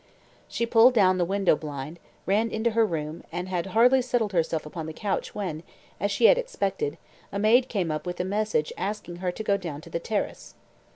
She pulled down the window blind, ran into her room, and had hardly settled herself upon the couch when, as she had expected, a maid came up with a message asking her to go down to the terrace.